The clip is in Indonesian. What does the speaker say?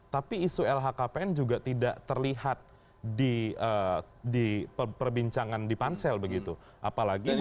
tapi isu lhkpn juga tidak terlihat di perbincangan di pansel begitu